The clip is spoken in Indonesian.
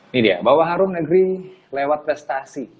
ini dia bawa harum negeri lewat prestasi